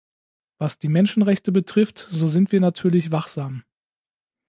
Was die Menschenrechte betrifft, so sind wir natürlich wachsam.